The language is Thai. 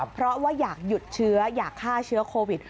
เพราะว่าอยากหยุดเชื้ออยากฆ่าเชื้อโควิด